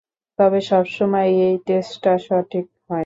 তবে সবসময় এই টেস্টটা সঠিক হয়না।